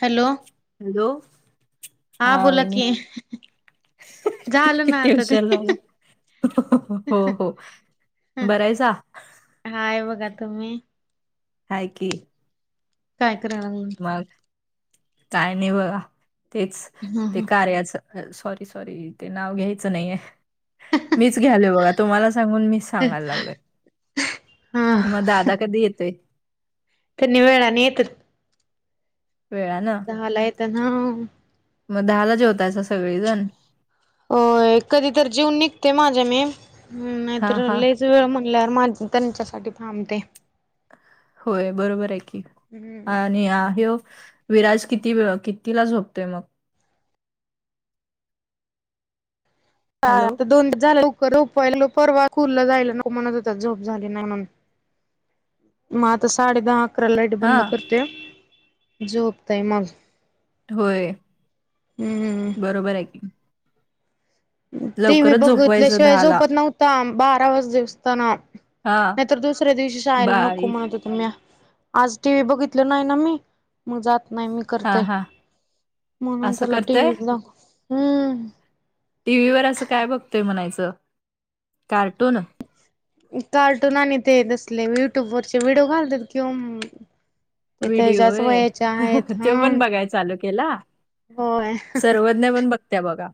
Hello hello. हा. बोला की. झालं ना किती आता ते. उशीर झाला. हो हो. बरायसा? हाय बघा. तुम्ही? हाये की. काय करणार म? काय नाही ओ. तेच ते लागल कार्याच. Sorry sorry. ते नाव घ्यायचं नाहीये. मीच घ्यायले बघा. तुम्हाला सांगून मीच- सांगायला लागलोय. हा मग दादा कधी येतोय? त्यांनी वेळाने येतील. वेळानं दहा ला येता ना? मग दहाला जेवतायसा सगळेजण? अं. कधी तर जेऊन निघते माझ मी. हा नाहीतर हा लय- वेळ म्हणल्यावर म आणखी त्यांच्यासाठी थांबते. होय बरोबर आहे की. हम्म आणि ह्यो- विराज किती वेळ कितीला झोपतोय मग? हॅलो कायता दोन झाल [unintelligible] परवा स्कूल ला जायला नको म्हणत होता. झोप झाली नाही म्हणून. म आता साडे दहा अकराला लाईट हा बंद करतोया. झोपतय मग. व्हय. हम्म बरोबर आहे. टि व्ही लवकरच झोपवायचं बघितल्याशिवाय दहाला झोपत ना- बारा वाजले असताना. हा नाहीतर दुसऱ्या दिवशी शाळेला नको बाय म्हणत हो- आज टी व्ही बघितल नाही ना मी? मग जात नाही मी. हां, करतोय. हां. म्हणून असं त्याला करतंय? [unintelligible] हम्म. टीव्ही वर असं काय बघतोय म्हणायचं? कार्टून? कार्टून आणि तेे तसले युट्युब वरचे व्हिडिओ घालतात किंवा- ते व्हिडिओ त्याच्याच व्हय. वयाच्या आहेत तो हा पण बघाय चालू केला? होय सर्व- नवीन बघत्या बघा.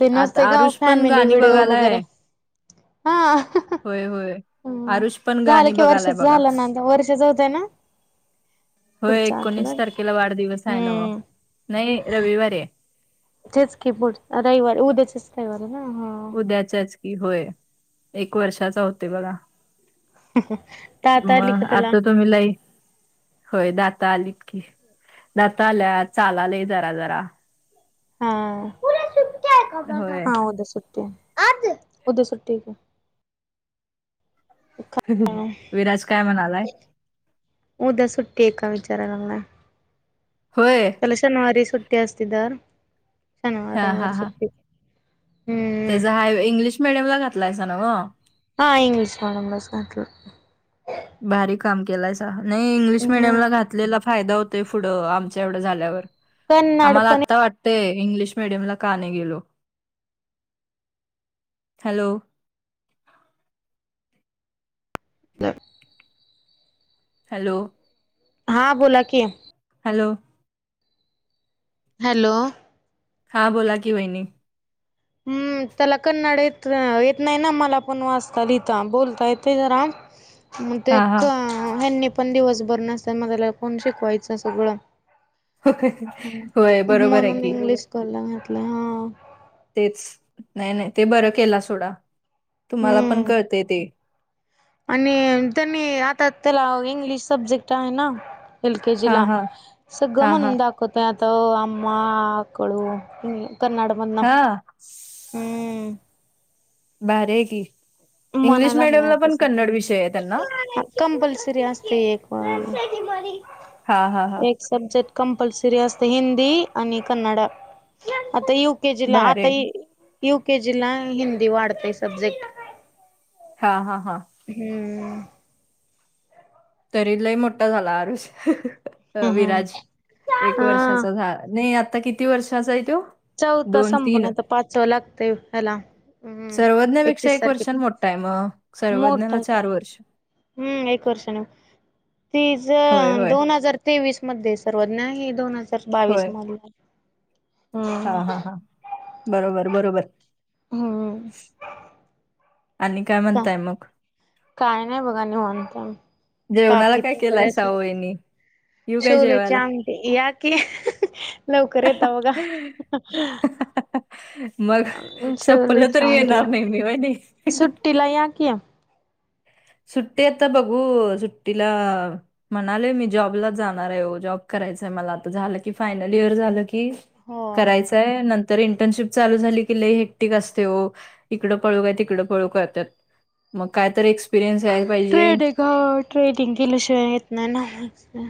ते आता नसते का आरुष पण फॅमिली गाणी व्हिडिओ वगैरे बघायलाय. हा. होय होय. आरुष पण झालं गाणि की बघायलाय वर्षाच बघा. झालं ना आता वर्षाच होतय ना हो. पुढच्या एकोणीस आठवड्यात तारखेला वाढदिवस आहे नव्ह. हम्म नाही रविवारए. तेचकी पुढ रविवारी उद्याचेच रविवारी ना हा त्या्याच्याच की होय एक वर्षाचा होतो बघा ताता आली मग का त्याला आता त मी लाई होय दात आलीत की दात आल्यात चाललाय जरा जरा हा उद्या सुट्टी का ग होय. हा उद्या सुट्टी आहे आजच उद्या सुट्टी तुला [unintelligible] की. विराज काय म्हणालाय [inaudible] उद्या सु्टी ए का विचाराला लागला होय [unintelligible] शनिवारी सुट्टी असत दर शनवार हां रविवार हां हां सुट्टी. हम्म. त्याचा हा इंग्लिश मिडियम ला घातलायसा न्हव [unintelligible] हां इंगलिश नंबर सारख [unintelligible] भारी काम केलायचा नाही इंग्लिश मिडियम हम्म ला घात फायदा होतय पुढ आमच्या एवढ झाल्यावर कन्नड आम्हाला पण आता वाट ते इंग्लिश मिडियमला का नाही गेलो. हॅलो द हॅलो हा बोला की [unintelligible] हॅलो [unintelligible] हॅलो [unintelligible] हा बोलाकी वहिनी हम्म त्याला कन्नड येत येत नाही ना मला पण वाचता लिहिता बोलता येते जरा [unintelligible] [unintelligible] [unintelligible] ब्लॅक. मग ते का ह्यांनी पण दिवसभर नसता मग याला कोण शिकवायचं सगळं होय बरोबर आहे म्हणून की इंग्लिश स्कूल ला घेतलं. हा त च नाही नाही ते बरं केला सोडा तुम्हाला पण हम्म. कळते ते. आणि त्यांनी आता त्याला इंग्लिश सब्जेक्ट आहे ना. हां एलकेजीला हां सगळं हां हां म्हणून दा [unintelligible] [unintelligible] कोते आताव अम आकळ ह कर्नाटक [unintelligible] हा [unintelligible] भारी आहे की म्हणाय इंग्लिश मिडियमला पण कन्नड विषय आहे त्यांना. कम्पल्सरी असते एक हा हा हा [inaudible] [unintelligible] बजेक्ट कंपल्सरी असत हिंदी आणि कन्नडा आता य केजी ला भारी आता आहे युकेेजीला हिंदी वाढतेय सब्जेक्ट. हा हा हा हम्म तरी लई मोठा झाला आरुष. [unintelligible] हम्म विराज एक हा. वर्षाचा झा नाही आता किती वर्षाचा आहे तो. चौथ दोन संपून तीन आता पाचव लागतेय हला. हम्म सर्वज्ञपेक्षा एकतीस एक तारखेस वर्षानं मोठा आहे मग मोठ सर्वज्ञला हाय त्यो चार वर्ष हम्म एक वर्षान तीच होय होय दोन हजार तेवीस मध्ये सर्वज्ञ हे दोन हजार होय बावीस मध्ये हा हा हा बरोबर बरोबर हम्म आणि काय का म्हणताय मग [unintelligible] काय नाही बघा निवांत का जेवणाला काय ताकीती [unintelligible] केलाय करायचं सावू यांनी येऊ काय शोल चे जेवायला आमटी या कि लवकर येत बघा मग वले संपलं तरी चते येणार नाही मी वहिनी [unintelligible] सुट्टीला या की सुट्टीए त बघू सुट्टीला [unintelligible] म्हणाले मी जॉबला जाणार आहेओ जॉब करायचाय मला आता झालं की फायनल इयर झालं की [inaudible] होय. करायचंय नं तर इंटर्नशिप चालू झाली की लय हेपटिक असते ओ इकडं पळू का तिकडं पळू का त्यात मग काय तरी एक्सपिरियन्स यायला पाहिजे. हा ट्रेटिंग केल्या शिवाय येत नाही ना.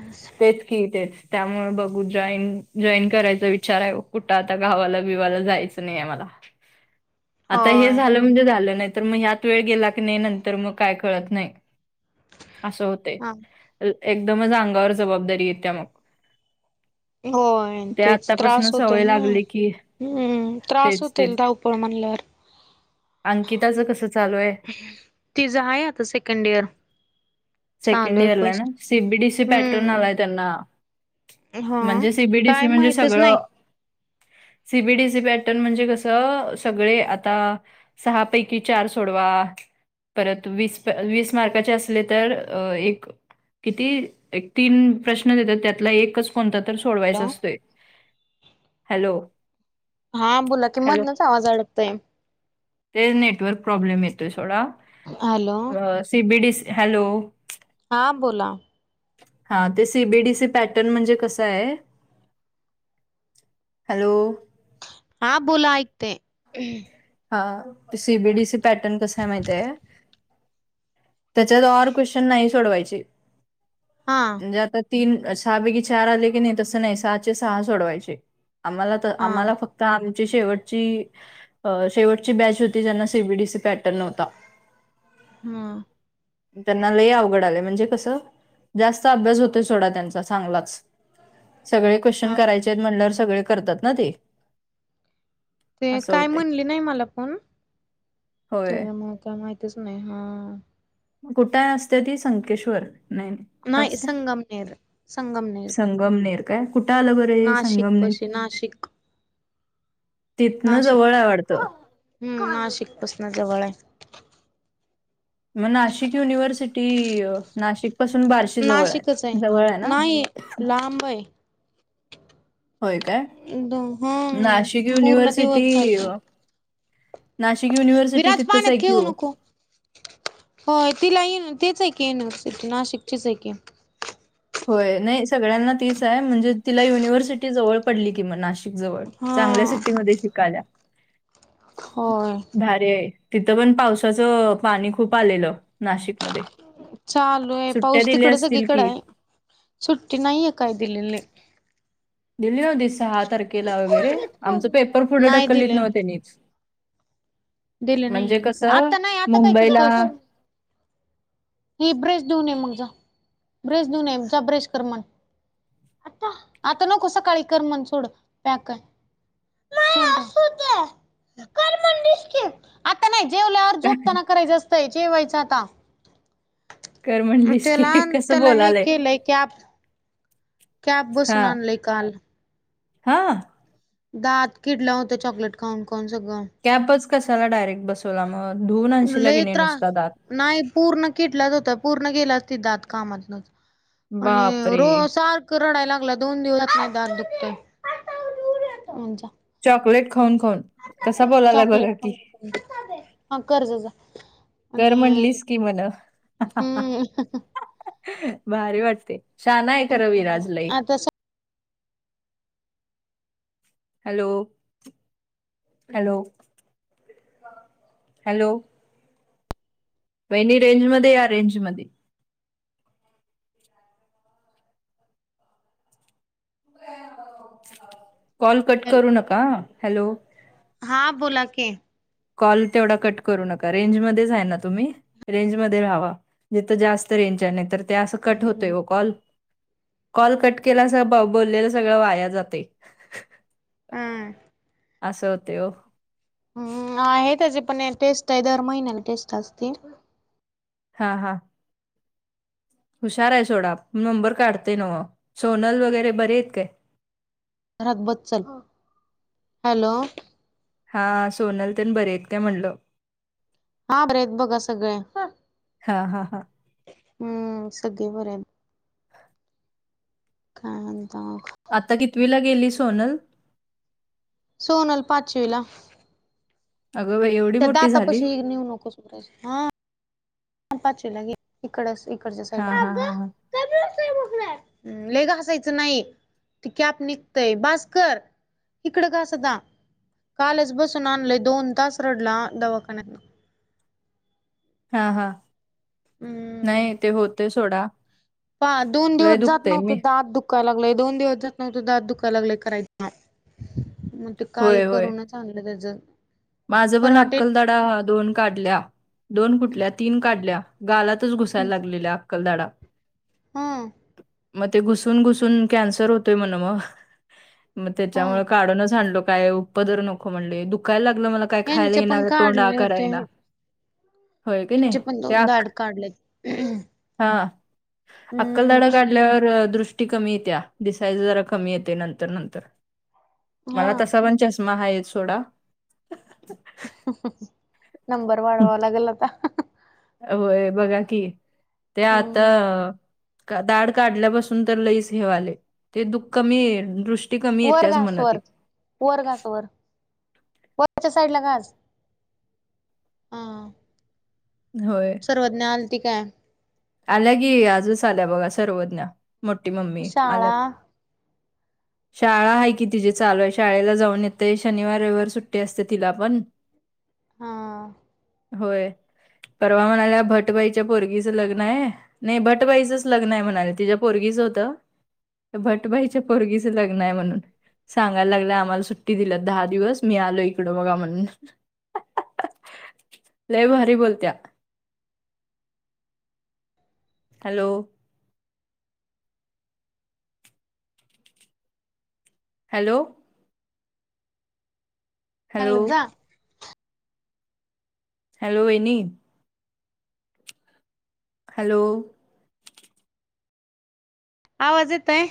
तेच की तेच त्यामुळे बघू जॉईन जॉईन करायचा विचार आहे. कुठं आता गावाला बिवाला जायच. स् [unintelligible] नाही आहे मला. आता हे होय. झालं म्हणजे झालं नाही तर मग ह्यात वेळ गेला की नाही नंतर मग काय कळत नाही. असं होतय हा एकदमच अंगावर जबाबदारी येत्या मग [unintelligible] होय ते तेच आत्तापासून त्रास होतय सवय ना. लागली की हम्म त्रास तेच होतील तेच. धावपळ म्हणल्यावर. अंकिताचं कसं चालूए. तिझं आहे आता सेकंड इयर चालू सेकंड आहे इयरलाय ना फर्स्ट. सिबीडीसी पॅटर्न हम्म आलाय त्यांना. हा म्हणजे सीबीडीसी काय म्हणजे माहितच सगळं नाही. सीबीडीसी पॅटर्न म्हणजे कसं सगळे आता सहापैकी चार सोडवा. परत वीस वीस मार्काचे असले तर एक किती एक तीन प्रश्न देतात त्यातला एकच कोणता तर सोडवायचा हॅलो असतोय. हॅलो हा बोला की हॅलो मधनच आवाज अडकतय. ते नेटवर्क प्रॉब्लेम येत थोडा हॅलो सी बी दिस हॅलो. हां बोला. हा ते सीबीडी सी पॅटर्न म्हणजे कसं आहे. हॅलो. हा बोला, ऐकते. हा सीबीडीसी पॅटर्न कसाय माहिताय. त्याच्यात ऑर क्वेश्चन नाही सोडवायचे. हा. म्हणजे आता तीन सहापैकी चार आले की नाही तसं नाही सहाचे सहा सोडवायचे आम्हाला. हा आम्हाला फक्त आमची शेवटची अ शेवटची बॅच होती ज्यांना सीबीडीसी पॅटर्न होता. हम. त्यांना लय अवघड आलय, म्हणजे कसं जास्त अभ्यास होतोय सथोडा त्यांचा चांगलाच सगळे क्वेश्चन हा. करायचेत म्हणल्यावर सगळे करतात ना ते. ते असं काय होते म्हणले नाही मला पण होय त्या म काय माहितच नाही हा. कुठंय असते ती संकेश्वर, नाही, नाही. कुठं नाही असते संगमनेर संगमनेर. संगमनेर काय कुठे आलं बरं नाशिक संगमनेर. पशी नाशिक तिथन जवळाय वाढत. हम् ह नाशिक पासना जवळ आहे. मग नाशिक युनिव्हर्सिटी नाशिक पासून बारशी जवळ आहे जवळ आहे ना. लांबई. होय काय, हम्म नाशिक पूर्ण युनिव्हर्सिटी दिवस जातो. नाशिक. युनिव्हर्सिटी विराज तिथंच पाण्यात आहे की खेळू हो नको. हो तिला ये तेच आहे की युनिव्हर्सिटी नाशिकचीच आहे की. होय नाही सगळ्यांना तीच आहे म्हणजे तिला युनिव्हर्सिटी जवळ पडली की म नाशिक. जवळ चांगल्या हा. सिटीमध्ये शिकाल्या, होय भारी आहे. तिथं पण पावसाचं पाणी खूप आलेलं. नाशिकमध्ये. चालुय सुट्ट्या पाऊस दिल्या तिकड असतील सगळीकड की आहे सुट्टी नाहीये काय दिलेले. दिली होतीत सहा तारखेला वगैरे कोलगेट आमच पेपर करून पुुढं नाही ढकललीत दिले नव्ह त्यांनीच. दिले म्हणजे नाहीयेत कसं आता नाही आता काय मुंबईला करतो अस हे ब्रश देऊन येे मग जा ब्रश देऊने जा ब्रश कर मण आता, आता नको सकाळी कर म्हण सोड, प्याक कर. नाही असू दे कर म्हणलीस की. आता नाही जेवल्यावर काय झोपताना करायचं असतंय जेवायचं आता. कर म्हणलीस की तेला कसं तेला ही बोलालंय केलय की आत कॅप बसून आनलोय काल. हां. दात किडलं होत चॉकलेट खाऊन खाऊन सगळं. कॅपच कशाला डायरेक्ट बसवला मग धुवन आणनशीला कि लय नायी त्रास नुसता दात. नाही, पूर्ण कीडलाच होता पूर्ण गेलाच तिथ दात कामातनं. आणि बापरे रो सार क रडाय लागला दोन दिवसात नाही दात दुखतोय हम जा क चॉकलेट खाऊन खाऊन कसा बोलायला चॉकलेट बघा कि. खाऊन हा कर जा जा कर आणि म्हणलीस की मला, हा हा हा हम्म भारी वाटते शाना आहे खरं विराज लई. आता हॅलो, हॅलो. हॅलो वहिनी रेंज मध्ये या रेंज मध्ये. कॉल कट करू नका हा हॅलो हां बोला कि. कॉल तेवढा कट करू नका रेंजमध्येच आहे ना तुम्ही? रेंज मध्ये राहावं, जिथ जास्त रेंज हाय नाही तर ते असं कट होतोय वो कॉल. कॉल कट केला अस बा बोललेलं सगळं वाया जातय. हा. अस होतय ओ. हम् आहे त्याचेे पण एक टेस्ट आहे दर महिन्याला टेस्ट असते. हा हा. हुशार आहे सोडा नंबर काढते नव सोनल वगैरे बरे आहेत काय? घरात बस चल, हॅलो हा सोनल तेन बरे आहेत काय म्हटलं हा बरे आहेत बघा सगळे, हा हा हा हम्म सगळे बरे आहेत. काय म्हणता मग. आता कितवीला गेली सोनल? सोनल पाचवीला. अगं बाई, येव त्या दाता पशी नेऊ नकोस ह पाचवी गेली, इकडच इकडच्या हा साईडला. हा [inaudible] लयी घासायचं नाही ते कॅप निघतय बास कर. इकडं घास आता, कालच बसवून आणलंय दोन तास रडला दवाखान्यात. हा हा, नाही ते होतय सोडा. प दोन लय दिवस जात दुखते नव्हते मी दात दु का लागलंय दोन दिवस जात नव्हतं दात दुखा लागलंय करायच ना मग ते काल होय होय करूनच आणलं त्याच माझं पण परवा डेट अक्कलदाडा दोन काढल्या दोन कुटल्या तीन काढल्या गालात तच घुसायला लागलेल्या. अक्कलदाडा. हम. मग ते घुसून- घुसून, कॅन्सर होतोय म्हण, मग. मग, हा त्याच्यामुळे काढूनच आणलो. काय, उपदर नको म्हणले. दुखायला लागलं मला काय खायला यांचे ईना, पण तोंड आ काढले कराय ईना. त्यांचे पण, दोन दाड काढलेत. हा. हम्म अक्कलदाड काढल्यावर दृष्ट टी कमी येत्या. दिसायचं जरा कमी येतय. नंतर- नंतर. मला हा तसा पण चष्मा हायच. सोडा. [unintelligible] नंबर वाढवावा लागल आता. होय, बघा कि. ते आत हम्म दाड काढल्यापासून तर, लईच हेवाले. ते दुःख कमी. दृष्ट वर घास वर. वर घास वर. वरच्या साईडला घास. [inaudible] होय. सर्वज्ञा आलती का? आल्या गी, आजच आल्या बघा, सर्वज्ञा. मोठी मम्मी, आल्यात. शाळा [inaudible] शाळा आहे की, तिचीे चालूय. शाळेला जाऊन येतंय. शनिवार, रविवार सुट्टी असते, तिला पण. [inaudible] हा. होय. परवा म्हणाल्या, भटबाईच्या पोरगीच लग्न नाही. नाही. भटबाईचंच लग्न आहे म्हणाले. तीझ्या पोरगीच होतं. भटभईच्या पोरगीचं लग्नाय म्हणून. सांगायला लागलं, आम्हाला सुट्टी दिल्यात दहा दिवस. मी आलोय इकडं, बघा म्हणून. [unintelligible] लय भारी बोलत्या. हॅलो. हॅलो. हॅलो चांगलं जा. हॅलो, वयनी. हॅलो. आवाज येतय?